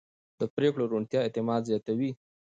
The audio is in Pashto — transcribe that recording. د پرېکړو روڼتیا اعتماد زیاتوي